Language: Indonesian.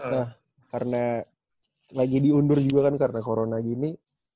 nah karena lagi diundur juga kan karena corona gini